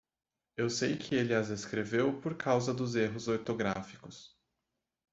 Eu sei que ele as escreveu por causa dos erros ortográficos.